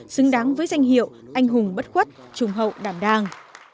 xứng đáng với danh hiệu anh hùng bất khuất trùng hậu đảm đang